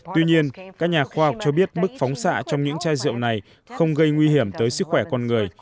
tuy nhiên các nhà khoa học cho biết mức phóng xạ trong những chai rượu này không gây nguy hiểm tới sức khỏe con người